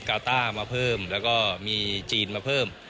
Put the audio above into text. กาต้ามาเพิ่มแล้วก็มีจีนมาเพิ่ม